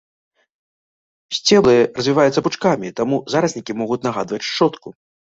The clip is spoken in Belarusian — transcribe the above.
Сцеблы развіваюцца пучкамі, таму зараснікі могуць нагадваць шчотку.